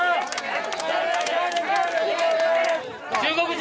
中国人！